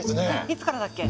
いつからだっけ？